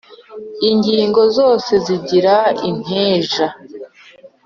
Ingingo zose izigira inteja